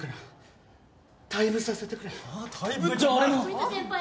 守田先輩